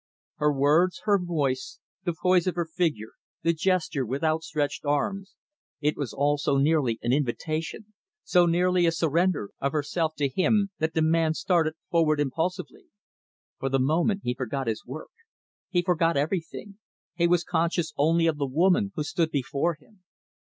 Her words, her voice, the poise of her figure, the gesture with outstretched arms it was all so nearly an invitation, so nearly a surrender of herself to him, that the man started forward impulsively. For the moment he forgot his work he forgot everything he was conscious only of the woman who stood before him.